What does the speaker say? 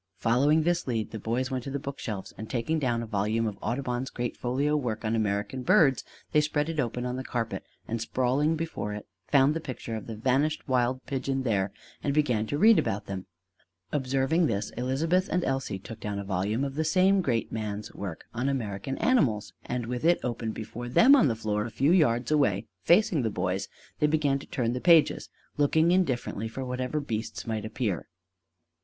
Following this lead, the boys went to the book shelves, and taking down a volume of Audubon's great folio work on American Birds, they spread it open on the carpet and, sprawling before it, found the picture of the vanished wild pigeon there, and began to read about him. Observing this, Elizabeth and Elsie took down a volume of the same great man's work on American Animals; and with it open before them on the floor a few yards away, facing the boys, they began to turn the pages, looking indifferently for whatever beasts might appear.